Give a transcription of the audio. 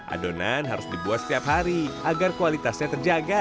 adonan harus dibuat setiap hari agar kualitasnya terjaga